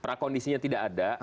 prakondisinya tidak ada